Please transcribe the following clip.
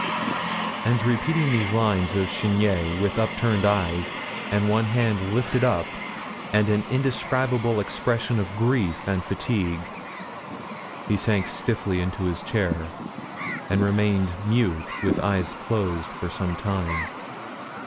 And repeating these lines of Chenier, with upturned eyes, and one hand lifted, and an indescribable expression of grief and fatigue, he sank stiffly into his chair, and remained mute, with eyes closed for some time.